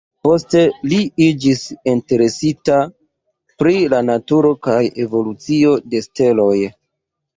Poste li iĝis interesita pri la naturo kaj evolucio de steloj.